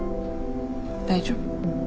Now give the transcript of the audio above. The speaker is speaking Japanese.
大丈夫。